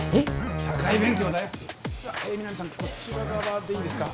社会勉強だよさあ皆実さんこちら側でいいですか？